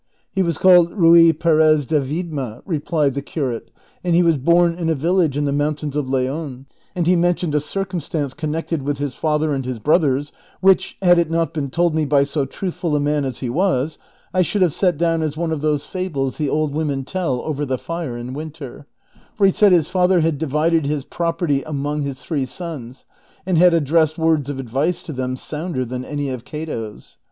" He was called Ruy Perez de Viedma," replied the curate, *' and he was born in a village in the mountains of Leon ; and he mentioned a circumstance connected with his father and his brothers which, had it not been told me by so truthful a man as he was, I should have set down as one of those fables the old women tell over the fire in winter ; for he said his father had divided his property among his three sons and had addressed words of advice to them sounder than any of Cato's.